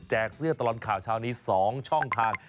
เสื้อตลอดข่าวเช้านี้๒ช่องทาง